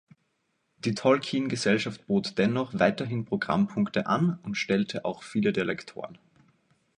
Die Tolkien Gesellschaft bot dennoch weiterhin Programmpunkte an und stellte auch viele der Lektoren.